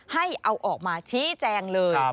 ให้เอาออกมาชี้แจงเลย